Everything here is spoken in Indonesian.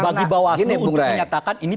bagi bawah aslu untuk menyatakan ini